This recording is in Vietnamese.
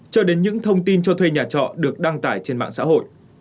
cho đến những thông tin cho thuê nhà trọ được đăng tải trên mạng xã hội